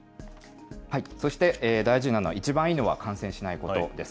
そして、大事なのは、一番いいのは感染しないことです。